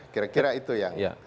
kira kira itu yang